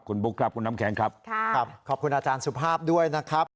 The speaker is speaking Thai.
คุณบุ๊คครับคุณน้ำแข็งครับครับขอบคุณอาจารย์สุภาพด้วยนะครับ